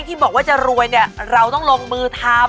ที่บอกว่าจะรวยเนี่ยเราต้องลงมือทำ